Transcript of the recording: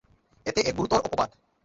এতে এক গুরুতর অপবাদ।